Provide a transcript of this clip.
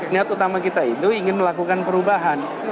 niat utama kita itu ingin melakukan perubahan